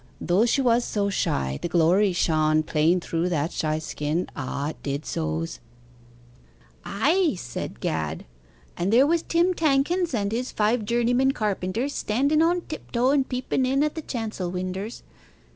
Though she was so shy the glory shone plain through that shy skin. Ah, it did so's.' 'Ay,' said Gad, 'and there was Tim Tankins and his five journeymen carpenters, standen on tiptoe and peepen in at the chancel winders.